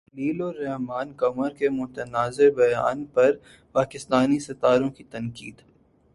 خلیل الرحمن قمر کے متنازع بیان پر پاکستانی ستاروں کی تنقید